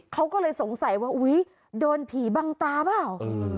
เขาก็เลยสงสัยว่าอุ๊ยโดนผีบังตาเปล่า